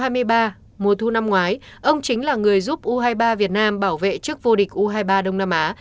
mùa thu năm ngoái ông chính là người giúp u hai mươi ba việt nam bảo vệ chức vô địch u hai mươi ba đông nam á